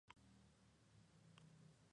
Cada uno consagró su propio campeón.